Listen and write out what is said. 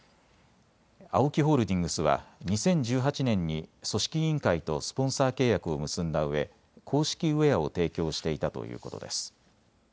ＡＯＫＩホールディングスは２０１８年に組織委員会とスポンサー契約を結んだうえ公式ウエアを提供していたということです。